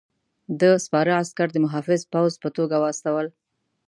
ده سپاره عسکر د محافظ پوځ په توګه واستول.